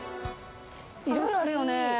いろいろあるよね。